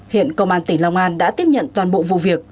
hiện công an tỉnh long an đã tiếp nhận toàn bộ vụ việc